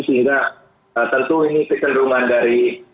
sehingga tentu ini kecenderungan dari